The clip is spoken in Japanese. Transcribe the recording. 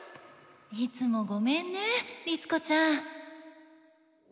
いつもごめんね律子ちゃん。